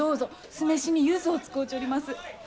酢飯にゆずを使うちょります。